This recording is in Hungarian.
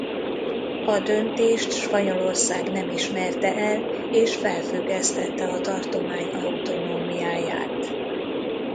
A döntést Spanyolország nem ismerte el és felfüggesztette a tartomány autonómiáját.